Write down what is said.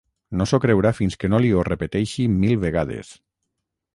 No s'ho creurà fins que no li ho repeteixi mil vegades.